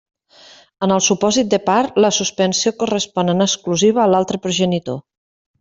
En el supòsit de part, la suspensió correspon en exclusiva a l'altre progenitor.